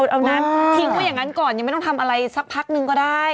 เอานะทิ้งไว้อย่างนั้นก่อนยังไม่ต้องทำอะไรสักพักนึงก็ได้